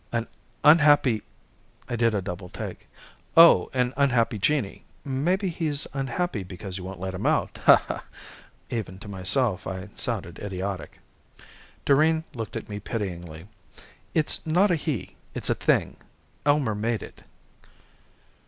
"An unhappy " I did a double take. "Oh, an unhappy genii? Maybe he's unhappy because you won't let him out, ha ha." Even to myself, I sounded idiotic. Doreen looked at me pityingly. "It's not a he, it's a thing. Elmer made it."